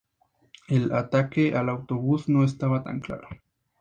El ataque al autobús no estaba tan claro.